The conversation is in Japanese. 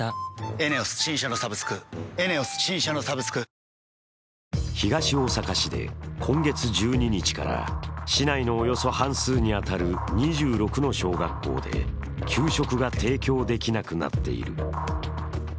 その理由は、食料品の値上げではなく東大阪市で今月１２日から市内のおよそ半数に当たる２６の小学校で給食が提供できなくなっている。